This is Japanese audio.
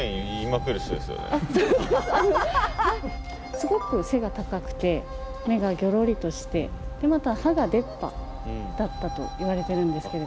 すごく背が高くて目がギョロリとしてまた歯が出っ歯だったといわれてるんですけれども。